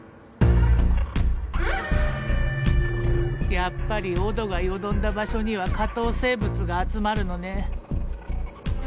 やっぱりオドが淀んだ場所には下等生物が集まるのね。